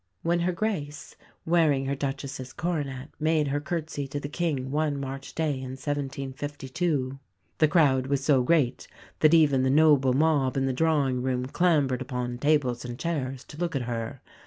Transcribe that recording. When Her Grace, wearing her Duchess's coronet, made her curtsy to the King one March day in 1752, "the crowd was so great, that even the noble mob in the drawing room clambered upon tables and chairs to look at her.